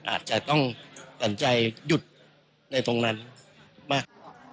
อาจจะต้องสั่นใจหยุดในตรงนั้นมาก